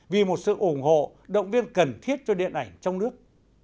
vì một sự ủng hộ động viên cần thiết cho điện ảnh trong nước